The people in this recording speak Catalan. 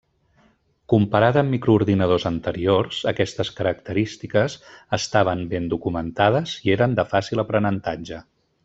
Comparat amb microordinadors anteriors, aquestes característiques estaven ben documentades i eren de fàcil aprenentatge.